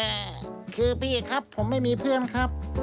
แต่คือพี่ครับผมไม่มีเพื่อนครับ